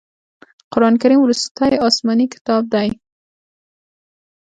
قرآن کریم وروستی اسمانې کتاب دی.